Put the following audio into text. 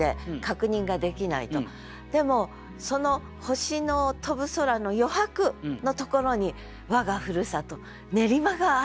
でもその星の飛ぶ空の余白のところに我が故郷練馬があるのだよ。